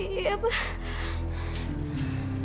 tiga ketika kenapa mas